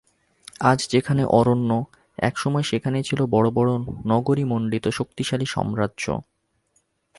আজ যেখানে অরণ্য, এক সময়ে সেখানেই ছিল বড় বড় নগরীমণ্ডিত শক্তিশালী সাম্রাজ্য।